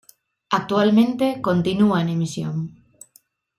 Actualmente continúa en emisión.